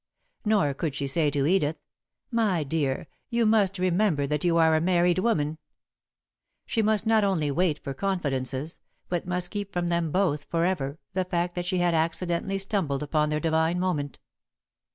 Nor could she say to Edith: "My dear, you must remember that you are a married woman." She must not only wait for confidences, but must keep from them both, for ever, the fact that she had accidentally stumbled upon their divine moment.